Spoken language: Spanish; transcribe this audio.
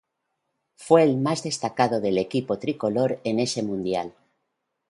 Fue el más destacado del equipo tricolor en ese Mundial.